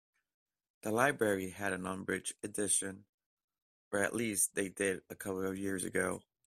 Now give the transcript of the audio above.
The library have the unabridged edition, or at least they did a couple of years ago.